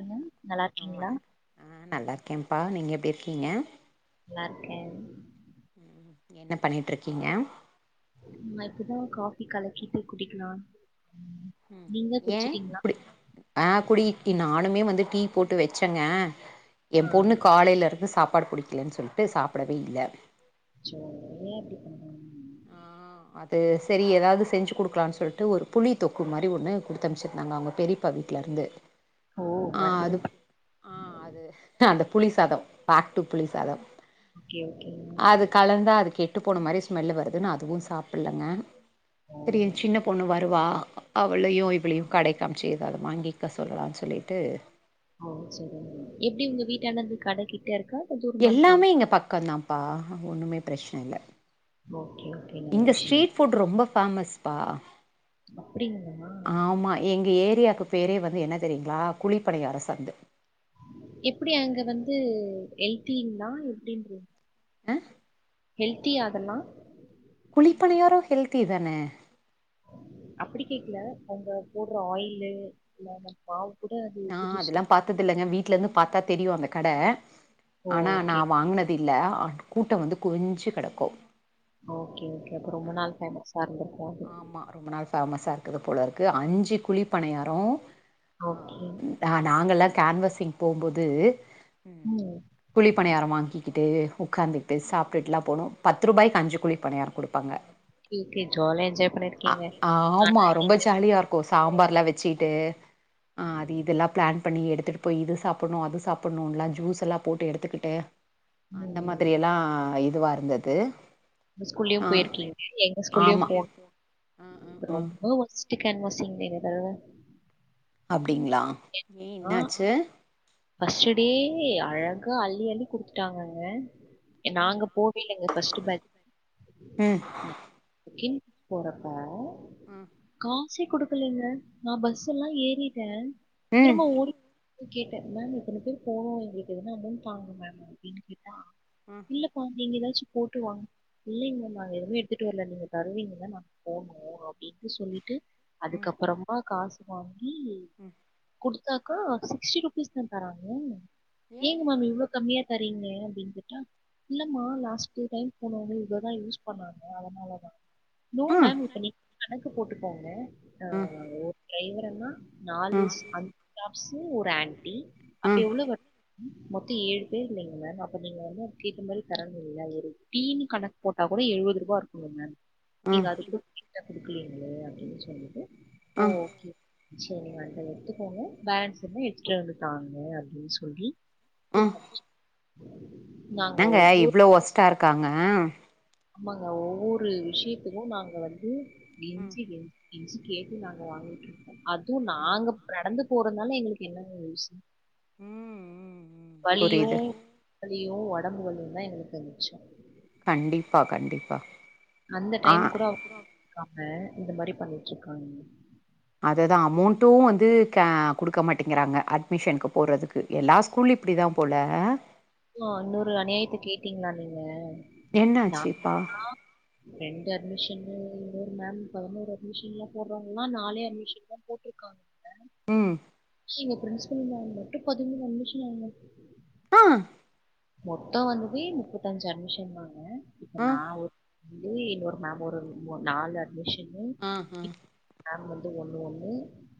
என்ன ம் நல்லா ஆ இருங்கிங்ளா வணக்கம் ஆ நல்லா இருக்கேன்பா நீங்க எப்டி இருக்கீங்க நல்லாருக்கேன் என்ன பண்ணிட்டு இருக்கீங்க நா இப்பதா காஃபி கலக்கிட்டு குடிக்கலன்னு ம் ஏயே குடி ஆ குடி இப்டி நானுமே வந்து டீ போட்டு வெச்சேங்க எயே ஆ பொண்ணு காலையிலருந்து சாப்பாடு புடிக்கிலன்னு சொல்லி ட்டு சாப்டவே இல்ல அச்சோ ஏ இப்டி பண்ணனும் ஆ அது செரி ஏதாது செஞ்சி குடுக்கலான் சொல்லிட்டு ஒரு புளி தொக்கு மாரி ஒன்னு குடுத்து அனுச்சிருந்தாங்க அவுங்க பெரியப்பா வீட்லருந்து ஓ மறுபடியுமா ஆ அது அந்த புளி சாதோ பேக்டூ புளி சாதோ ஓகே ஓகேங்க அது கலந்தா அது கெட்டு போனா மாரி ஸ்மெல்லு வருதுன்னு அதுவு சாப்புட்லங்க ஓ சேரி ஏயே சின்ன பொண்ணு வருவா அவளையு இவளையு கடக்கு அம்சி ஏதாது வாங்கிக்க சொல்லான் சொல்லிட்டு எப்டி உங்க வீட்டாண்ட இருந்து கட கிட்ட இருக்க எல்லாமே இங்க பக்கோ தாம்பா ஒன்னுமே பிரச்சன இல்ல ஓகே ஓகே நல்ல இங்க விஷயோ ஸ்ட்ரீட் ஃபுட் ரொம்ப ஃபேமஸ் பா அப்டிங்களா ஆமா எங்க ஏரியாக்கு பேரே வந்து என்ன தெரியுங்ளா குழிப்பணியார சந்து எப்டி அங்க வந்து ஹெல்த்திங்ளா எப்டின்றீ அ ஹெல்த்தியா அதல்லா குழிப்பணியரொ ஹெல்த்தி தான அப்டி கேக்ல அவ்ங்க போட்ற ஆயிலு இல்ல அந்த மா நா அதுல்லா பாத்தது இல்லங்க வீட்லேந்து பாத்தா தெரியு அந்த கட ஓ ஆனா ஓகே நா வாங்குன தில்ல அ கூட்டொ வந்து குவிஞ்சு கடக்கு ஓகே ஓகே அப்ப ரொம்ப நாள் ஃபேமஸா இருந்துருக்கு ஆமா ரொம்ப நாள் ஃபேமஸ்ஸா இருக்குது போலருக்கு அஞ்சு குழிப்பனியாரொ ஆ ஓகே. த நாங்கல்லா கேன்வாஸிங் போம்போது ம் குழிப்பணியார வாங்கிக்கிட்டு உக்காந்துக்குட்டு சாப்ட்டுட்லா போணோ பத்து ரூபாய்க்கு அஞ்சு குழிப்பணியாரொ குடுப்பாங்க [unintelligible] ஜாலியா என்ஜாய் அ பண்ணியிருக்கீங்க. ஆனா ஆமா ரொம்ப ஜாலியா இருக்கு சாம்பார்லா வெச்சியிட்டு ஆ அது இதுல்லா ப்ளான் பண்ணி எடுத்துட்டு போய் இது சாப்புண்ணு அது சாப்புண்ணுன்லா ஜூஸ் எல்லா போட்டு எடுத்துக்கிட்டு அந்த ம். மாரி எல்லா இதுவா இருந்தது ஸ்கூல்லயு ஆ போயிருக்கீங்க எங்க ஆமா ஸ்கூல்லயு ஆ ஆ [inaudible] ஆ ரொம்ப ஒஸ் [unintelligible] அப்டிங்ளா ஏ என்னாச்சு ஃபஸ்ட்டு டே அழகா அள்ளி அள்ளி குடுத்துட்டாங்கங்க எ ம் நாங்க போவயில எங்க ஃபஸ்ட்டு பே ம் ட்ரக்கிங் போறப்ப ம் காசே குடுக்கலங்க நா பஸ் எல்லா ஏறிட்ட திரும்ப ம் [inaudible] மேம் இத்தன பேர் போனோ எங்களுக்கு எதுனா அமௌண்ட் தாங்க மேம் அப்டின் கேட்டா அ இல்லப்பா நீங்க ஏதாச்சி போட்டுவாங் இல்லைங்க நாங்க எதுவுமே எடுத்துட்டு வரல நீங்க தருவீங்கல நாங்க போனோ அப்டின்ட்டு சொல்லிட்டு அதுக்கப்பறமா காசு வாங்கி ம் குடுத்தாக்கா சிக்ஸ்டி ருபீஸ் தா தராங்க ஏ ஏங்க மேம் இவ்ளோ கம்மியா தரீங்ளே அப்டின் கேட்டா இல்லமா லாஸ்ட் டூ டைம் போனவங்க இவ்ளோ யூஸ் பண்ணாங்க அதனாலதா நோ ம் மேம் இப்ப [inaudible] கணக்கு போட்டுக்கோங்க ஆ ம் ம் ஒரு டிரைவர் அண்ணா நாலு [inaudible] ஒரு ஆன்ட்டி அப்போ ம் எவ்ளோ வ மொத்தொ ஏழு பேர் இல்லைங்க மேம் அப்ப நீங்க வந்து அதுக்கு ஏத்த மாரி தரணுல்ல ஒரு டீம் கணக் போட்டா கூட எழுவதுருவா இருக்குங்க மேம் ம் நீங்க ம் அது கூட [inaudible] குடுக்லீங்களே அப்டின் சொல்லிட்டு ஓ ஓகே சேரி அந்த எடுத்துக்கோங்க பேலன்ஸ் இருந்தா எத்துட்டு வந்து தாங்க அப்டின் சொல்லி அ குடுத்தனுப்பிச்சோம். நாங்க என்னங்க இவ்ளோ ஒஸ்ட்டா இருக்காங்க ஆமாங்க ஒவ்வொரு விஷயத்துக்கு நாங்க வந்து ம் கெஞ்சி கெ ஞ்சி கேட்டு நாங்க வாங்கிட்ருக்கோ அதுவு நாங்க நடந்து போறதுனால எங்களுக்கு என்னங்க யூஸ் ம் ம் வலியு புரியுது வலியு ஒடம்பு வலியு தா எங்களுக்கு மிச்சோ கண்டிப்பா கண்டிப்பா அந்த ஆ டைம் கூட அவுங்க இருக்காங்க இந்த மாரி பண்ணிட்டு இருக்காங்க அத தா அமௌன்ட்டு வந்து க கு டுக்க மாட்டேங்கிறாங்க அட்மிஷன்க்கு போட்றதுக்கு எல்லா ஸ்கூலு இப்டி தா போல ஓ இன்னொரு அநியாயத்த கேட்டீங்களா நீங்க ந என்னாச்சுப்பா [inaudible] ரெண்டு அட்மிஷன் [inaudible] இன்னொரு மேம் பதினோரு அட்மிஷன் எல்லா போடுறாங்கா நாலே அட்மிஷன் தா போட்டிருக்காங் ம் ஆ எங்க பிரின்ச்பல் மேம் மட்டு பதிமூனு அட்மிஷனாங்க ஆ மொத்தோ வந்ததே முப்பத்தஞ்சி அட்மிஷன் தாங்க இப்ப ஆ நா ஒ [unintelligible] இன்னொரு மேம் ஒரு ஒ நாலு அட்மிஷன் ஆ ஆ நாங் வந்து ஒண்ணு ஒண்ணு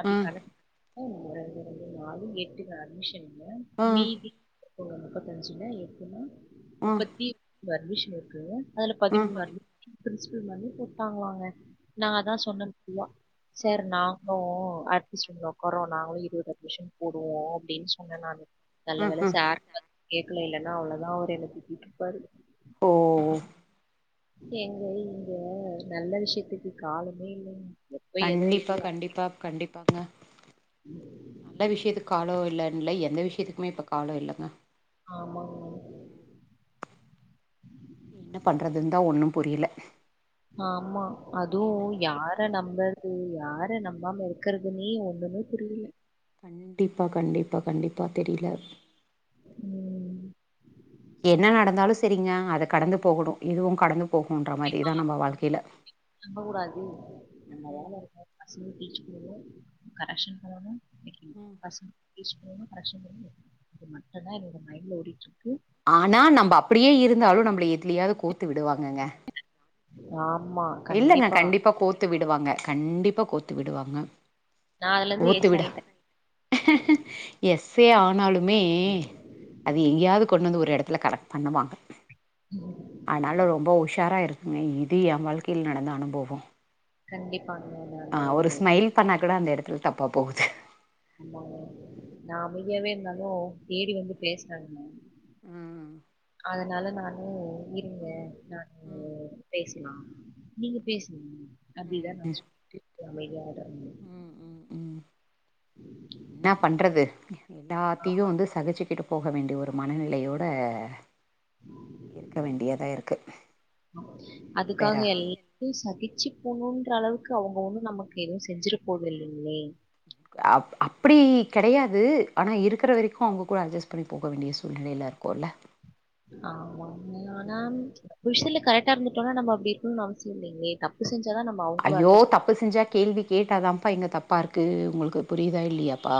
அப்டி ஆ கணக்கு போவுங்க ரெண்டி ரெண்டி நாலு எட்டுங்க அட்மிஷன் இதுல ஆ மீதி [inaudible] [unintelligible] எத்துன முப்பத்தி [inaudible] அட்மிஷன் இருக்கு அதுல ஆ பதிமூணு அட்மி எங்க பிரின்சிபல் மேம்மே கூப்ட்டாங்களங்க நா அதா சொன்ன போதுவா சர் நா ஒ ஒ அட்மிஷன்ல ஒக்காருவோ நாங்களு இருவது அட்மிஷன் போடுவோ அப்டின்னு சொன்ன நானு நல்ல ஆ வேல ஆ சாரு வந்து கேக்குல இல்லனா அவ்ளோதா அவ்ர் என்ன திட்டிட்டு இருப்பாரு ஓ ஓ எங்க இங்க நல்ல விஷ்யத்துக்கு காலமே இல்லைங்க எப்ப எதை கண்டிப்பா எப்படி கண்டிப்பா கண்டிப்பாங்க நல்ல விஷ்யத்துக்கு காலோ இல்லைன்ன எந்த விஷ்யத்துக்குமே இப்ப காளோ இல்லைங்க ஆமாங்க என்ன பண்ணுறதுந்தா ஒன்னு புரியில ஆமா அதுவு யார நம்பறது யார நம்பமாம இருக்கறதுன்னே ஒண்ணுமே புரியில கண்டிப்பா கண்டிப்பா கண்டிப்பா தெரியில ம் என்ன நடந்தாலு செரிங்க அத கடந்து போகணு இதுவு கடந்து போகும்ன்ற மாதிரிதா நம்ம வாழ்க்கையில நம்ப கூடாது நம்ம வேல இருக்க [inaudible] பசங்க டீச் பண்வோ கரெக்ஷன் பண்ணனு ம் பசங்க டீச் பண்ணனு கரெக்ஷன் பண்ணனு அது மட்டுதா என்னோட மைண்டல ஓட்ருக்கு ஆனா நம்ம அப்டியே இருந்தாலு நம்மள எதுலயாவது கோத்து விடுவாங்கங்க ஆமா இல்லங்க கண்டிப்பா கோத்து விடுவாங்க கண்டிப்பா கோத்து விடுவாங்க நான் அதுலருந்து கோத்து எஸ் விடா ஆயிட்டேன். எஸே ஆனாலுமே அது எங்கேயாவது கொண்டு வந்து ஒரு இடத்துல கரெக்ட் பண்ணுவாங்க ம் ம் ம் அதுனாலு ரொம்ப உஷாரா இருக்குங்க இது என் வாழ்க்கையில நடந்த அனுபவ கண்டிப்பாங்க நானு ஸ்மைல் பண்ணா கூட அந்த இடத்துல தப்பாக போகுது ஆமா நா அமைதியாவே இருந்தாலு தேடி வந்து பேசுறாங்க ம் ம் அதனால நானு இருங்க நானு பேசலா நீங்க பேசுங்க அப்டிதா ம் நா சொல்லட்டு அமைதியாடனு ம் ம் ம் என்ன பண்றது எல்லாத்தையு வந்து தகச்சிக்கிட்டு போக வேண்டிய ஒரு மனநிலையோட இருக்க வேண்டியதா இருக்கு பேரா சகிச்சி போணுன்ற அளவுக்கு அவுங்க ஒண்ணு நமக்கு எதுவு செஞ்சிர போத இல்லிங்லே அப் அப்டி கெடையாது ஆனா இருக்குற வரைக்கு அவுங்க கூட அஜெஸ்ட் பண்ணி போக வேண்டிய சூழ்நிலையில இரு கொல [unintelligible] குஷல்ல கரெக்டா இருந்துட்டோனா நம்ம அப்டி இருக்குனு அவசிய இல்லைங்களே தப்பு செஞ்சாதா நம் ஐய்யோ தப்பு செஞ்சா கேள்வி கேட்டாதாப்பா இங்க தப்பாருக்கு உங்களுக்கு புரியிதா இல்லையாப்பா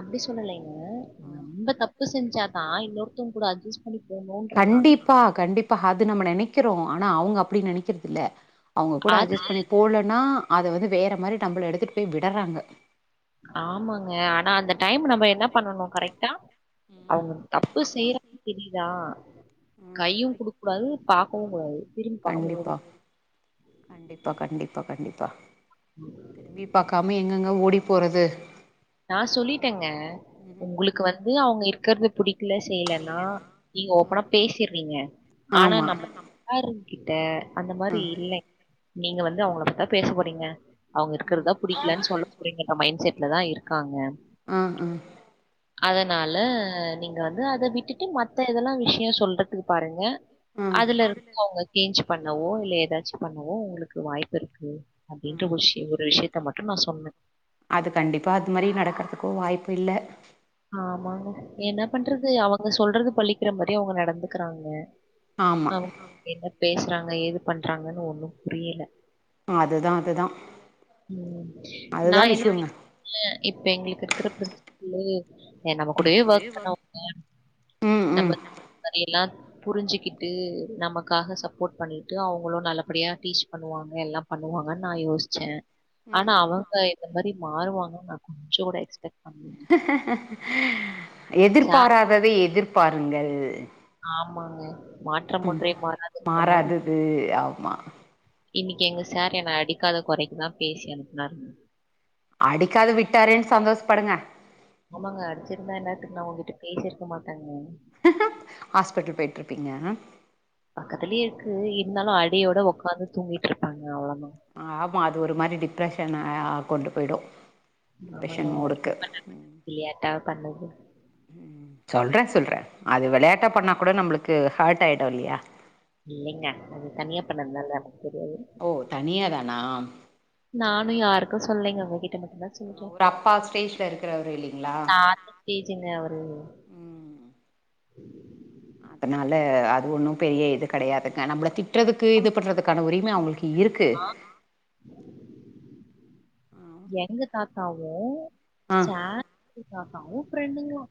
அப்டி சொல்லலைங்க நம்ப தப்பு செஞ்சாதா இன்னோர்த்தங் கூட அட்ஜெஸ் படிப்போனோ கண்டிப்பா கண்டிப்பா அது நம்ம நெனைக்கிறோ ஆனா அவுங்க அப்டி நெனைக்கிறதில்ல அவுங்க கூட அது அட்ஜெஸ் பண்ணி போலன்னா அத வந்து வேற மாரி நம்பள எடுத்துட்டு போய் விடறாங்க ஆமாங்க ஆனா அந்த டைம் நம்ம என்ன பண்ணணு கரெக்டா ம். அவுங்க தப்பு செய்றாங்க தெரிதா ம். கைய்யு குடுக் கூடாது பாக்கவு கூடாது திரும்பி பாக்காம ஓடி கண்டிப்பா கண்டிப்பா கண்டிப்பா கண்டிப்பா திரும்பி பாக்காம எங்கெங்க ஓடி போறது நா சொல்லிட்டேங்க ம். உங்குளுக்கு வந்து அவுங்க இருக்கறது புடிக் கல செய்யலன்னா நீங்க ஓப்பனா ம். பேசறீங்க ஆனா ஆமா. நம்ம ஆரம் கிட்ட அந்த மாரி இல்லை நீங்க வந்து அவுங்கள பத்திதா பேச போறீங்க அவுங்க இருக்குற புடிக்கலன் சொல்ல போறிங்கன்ற மையின்ட் செட்லதா இருக்காங்க ஆ ஆ அதனால நீங்க வந்து அத விட்டுட்டு மத்த இததல்லா விஷ்யோ சொல்றதுக்கு பாருங்க ஆ, அதுல ஆ. இருக்க அவுங்க சேஞ்ச் பண்ணவோ இல்ல ஏதாச்சு பண்ணவோ உங்குளுக்கு வாய்ப்பிருக்கு அப்டின்ற ஒஷ்ய ஒரு விஷயத்த மட்டு நா சொன்ன அது கண்டிப்பா அது மாரி நடக்கறதுக்கு வாய்ப்பு இல்ல ஆமாங்க என்ன பண்றது அவங்க சொல்றது பழிக்கிற மாரி அவங்க நடந்துக்குறாங்க ஆமா. அவுங்க என்ன பேசுறாங்க ஏது பண்றாங்கன்னு ஒண்ணு புரியல அதுதா அதுதா ம் நா என்ன [unintelligible] இப்ப எங்களுக்கு இருக்குற ப்ரெச் [unintelligible] ஏ நம்ம கூட ஒர்க் பண்ணவுங்க ம் நம்ப ம் [unintelligible] புரிஞ்சிக்கிட்டு நமக்காக சப்போட் பண்ணிட்டு அவுங்களு நல்லபடியா டீச் பண்ணுவாங்க எல்லா பண்ணுவாங்கன் நா யோஸ்ச்ச ஆனா ம் ம் அவங்க இந்த மாரி மாறுவாங்கன் நா கொஞ்ச கூட எக்ஸ்பெட் எதிர் சார் பாரததை எதிர் பாருங்கல் ஆமாங்க மாற்றம் ஒன்றே மாறாதுன்ற மாரி மாறாதது ஆமா இன்னக்கி எங்க சார் என்ன அடிக்காத கொறைக்கு தா பேசி அனுப்புனாருங்க அடிக்காத விட்டாரோன் சந்தோஸ்ப்படுங்க ஆமாங்க அடிச்சிருந்தா இன்னேறத்துக்கு நா உங்கிட்ட பேசிருக்க மாட்டேங்க ஹாஸ்பிட்டல் போயிட்ருப்பீங்க பக்கத்துலயே இருக்கு இருந்தாலு அடியையோட ஒக்காந்து தூங்கிட்ருப்பாங்க அவ்ளோ தா ஆமா அது ஒரு மாரி டிப்ரெஷனா கொண்டு போய்டும் ஆமாங்க. டிப்ஷன் அவர் மூடுக்கு விளையாட்டா பண்ணது. சொல்ற சொல்ற அது வெளையாட்டா பண்ணா கூட நம்ளுக்கு ஹர்ட் ஆயிடு இல்லையா இல்லைங்க அது தனியா பண்ணதுனால எனக்கு தெரியாது ஓ தனியா தானா நானு யாருக்கு சொல்லீங்க உங்க கிட்ட மட்டுதா ஒரு அப்பா ஸ்டேஜ்ல இருக்கிறவர் இல்லைங்ளா டீஜிங்க அவரு ம் அதனால அது ஒன்னும் பெரிய இது கெடையாதுங்க நம்மள தி ட்றதுக்கு இது பண்ணுறதுக்கான உரிம அவுங்களுக்கு இருக்கு எங்க தாத்தாவு ஆ சே [inaudible] தாத்தாவு ஃப்ரெண்டுங்ளா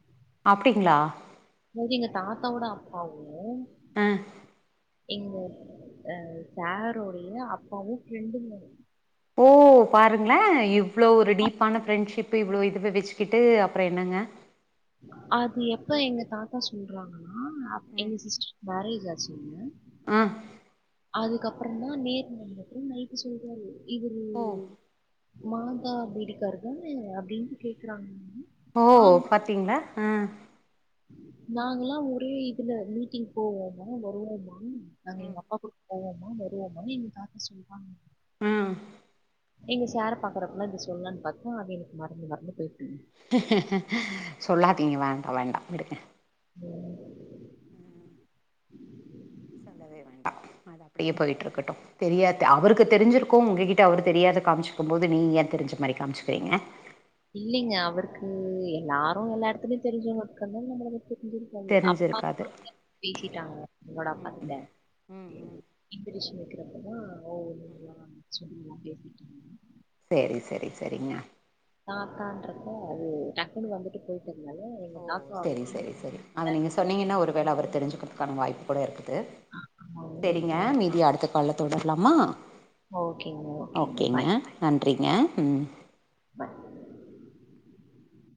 அப்டிங்ளா இங் எங்க தாத்தாவோட அப்பாவு ஆ எங்க அ சேருடைய அப்பாவு ஃப்ரெண்டுங் ஓ பாருங்ளே இவ்ளோ ஒரு டீப்பான ஃப்ரெண்ட்ஷிப் இவ்வளோ இதுவ வச்சுக்கிட்டு அப்றோ என்னங்க அது எப்ப எங்க தாத்தா சொல்றாங்கன்னா எங்க சிஸ்ட்ரு மேரேஜ் ஆச்சிங்க ஆ அதுக்கப்பறந்தா நேர்ல வந்துட்டு நைட்டு சொல்றாரு இவரு ஓ மாதா வீட்டுக்கார தான அப்டின்ட்டு கேக்குறாங்க ஓ பாத்தீங்ளா ம் நாங்கல்லா ஒரே இதுல மீட்டிங் போவோமா வருவோமா நாங்க எங்க அப்பா கூ போவோமா வருவோமான் எங்க தாத்தா சொல்றாங்க ம் எங்க சேர பாக்கறப்பல்லா இது சொல்லான் பாத்தா அது எனக்கு மறந்து மறந்து போயிருது சொல்லாதீங்க வேண்டா வேண்டா விடுங்க ம் ம் சொல்லவே வேண்டா அது அப்டியே போய்ட்டு இருக்கட்டு தெரியாது அவருக்கு தெரிஞ்சிருக்கு உங்ககிட்ட அவரு தெரியாத காமிச்சுக்கும் போது நீ ஏ தெரிஞ்ச மாரி காம்ச்சுக்கிறீங்க இல்லைங்க அவருக்கு எல்லாரு எல்லா எடத்துலயு தெரிஞ்சவங்க இருக்கனால நம்ம [unintelligible] தெரிஞ்சிருக் காது அப்பா தெரிஞ்சிருக்காது [inaudible] பேசிட்டாங்க என்னோட அப்பா ம் ம் கிட்ட ம் ம் இன்விட்டேஷன் வக்கிறப்பதா ஓ ம் [unintelligible] பேசிட்ருந்தே செரி செரி சரிங்க தாத்தான்றப்ப அது டக்குனு வந்துட்டு போயிட்டுந்தல எங்க தாத்தா சேரி அப்டின் சேரி சேரி அத நீங்க சொன்னிங்கன்னா ஒரு வேள அவரு தெரிஞ்சுக்கிறதுக்கான வாய்ப்பு கூட இருக்குது ஆமாங்க ங்க மீதி அடுத்த கால்ல தொடரலாமா ஓகேங்க, ஓகேங்க. ஓக்கேங்க பாய், நன்றிங்க ம் பாய்